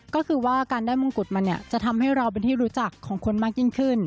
ก็คือว่าการได้มงกุฎมาเนี่ยจะทำให้เราเป็นที่รู้จักของคนมากยิ่งขึ้น